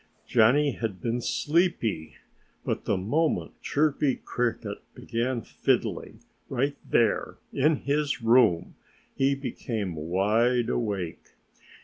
Johnnie had been sleepy. But the moment Chirpy Cricket began fiddling right there in his room he became wide awake.